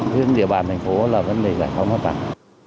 riêng địa bàn thành phố là vấn đề giải phóng mặt bằng